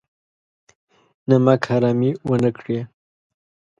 نمک حرامي ونه کړي.